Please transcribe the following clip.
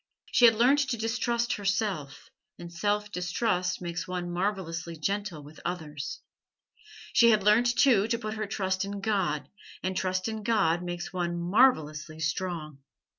She had learnt to distrust herself, and self distrust makes one marvellously gentle with others; she had learnt, too, to put her trust in God, and trust in God makes one marvellously strong.